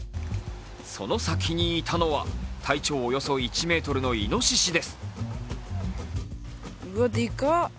その先にいたのは、体長およそ１ｍのいのししです。